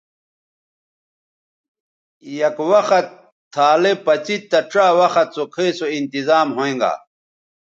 یک وخت تھالئ پڅید تہ ڇا وخت سو کھئ سو انتظام ھویں گا